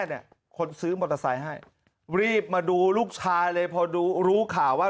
เนี่ยคนซื้อมอเตอร์ไซค์ให้รีบมาดูลูกชายเลยพอรู้ข่าวว่า